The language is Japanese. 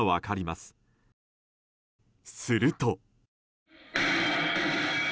すると。